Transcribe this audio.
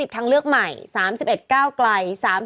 ทางเลือกใหม่๓๑ก้าวไกล